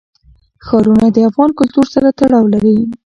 ښارونه د افغان کلتور سره تړاو لري.